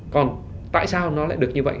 còn tại sao nó lại được như vậy